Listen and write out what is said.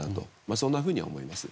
そんなふうに思います。